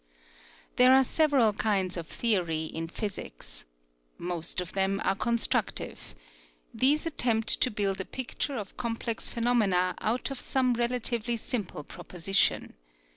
There are several kinds of theory in physics. Most of them are constructive. These attempt to build a picture of complex phenomena out of some relatively simple proposition.